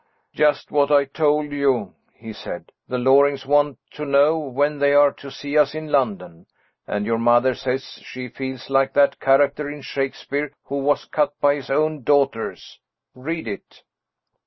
"Just what I told you," he said; "the Lorings want to know when they are to see us in London; and your mother says she 'feels like that character in Shakespeare who was cut by his own daughters.' Read it."